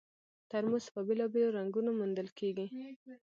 ترموز په بېلابېلو رنګونو موندل کېږي.